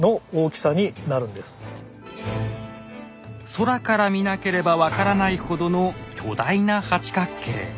空から見なければ分からないほどの巨大な八角形。